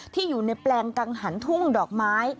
ที่อยู่ในแปลงกังหันทุ่งดอกไม้